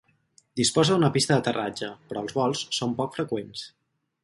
Disposa d'una pista d'aterratge, però els vols són poc freqüents.